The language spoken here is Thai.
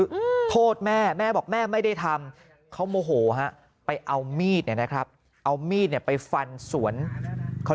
หรือโทษแม่แม่บอกแม่ไม่ได้ทำเขาโมโหไปเอามีดนะครับเอามีดไปฟันสวนเขา